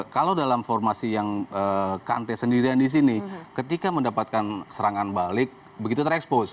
kalau dalam formasi yang kante sendirian di sini ketika mendapatkan serangan balik begitu terekspos